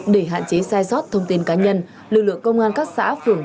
để hạn chế sai sót thông tin cá nhân lực lượng công an các xã phường